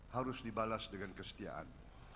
harus dibalas dengan kesetiaan